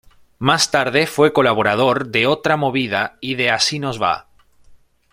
Más tarde, fue colaborador de "Otra movida" y de "Así nos va".